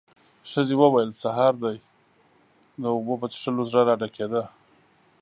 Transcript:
ښځې وويل: سهار دې د اوبو په څښلو زړه راډکېده.